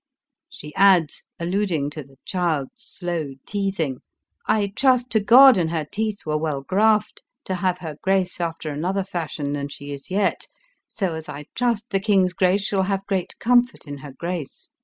She adds, alluding to the child's slow teething, " I trust to God an' her teeth were well graft, to have her grace after another fashion than she is yet, so as I trust the king's grace shall have great comfort in her grace.